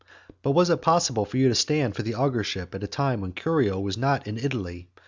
But was it possible for you to stand for the augurship at a time when Curio was not in Italy?